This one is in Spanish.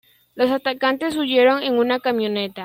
Los atacantes huyeron en una camioneta.